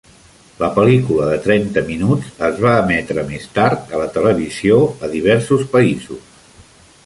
La pel·lícula de trenta minuts es va emetre més tard a la televisió a diversos països.